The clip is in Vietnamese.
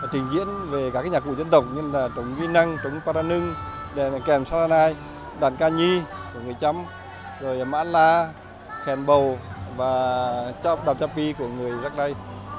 trình diễn về các nhạc cụ dân tộc như là trống ghi năng trống para nưng đèn kèm saranai đoàn ca nhi của người chăm rồi mã la khen bầu và đoàn chapi của người rắc lai